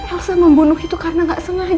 elsa membunuh itu karena nggak sengaja bu